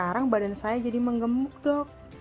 sekarang badan saya jadi menggemuk dok